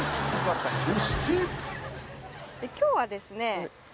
そして今日はですね